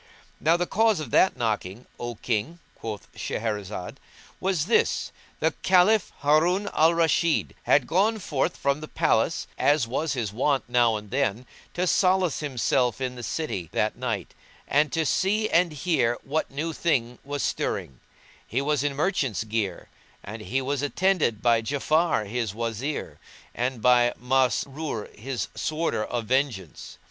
Now the cause of that knocking, O King (quoth Shahrazad) was this, the Caliph, Harun al Rashid, had gone forth from the palace, as was his wont now and then, to solace himself in the city that night, and to see and hear what new thing was stirring; he was in merchant's gear, and he was attended by Ja'afar, his Wazir, and by Masrur his Sworder of Vengeance.